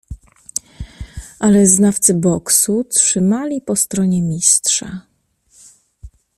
"Ale znawcy boksu trzymali po stronie Mistrza."